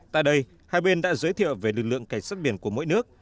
tại đây hai bên đã giới thiệu về lực lượng cảnh sát biển của mỗi nước